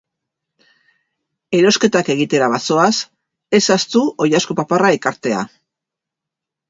Erosketak egitera bazoaz, ez ahaztu oilasko paparra ekartea.